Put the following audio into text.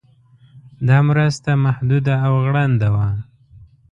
دا مرسته محدوده او غړنده وه.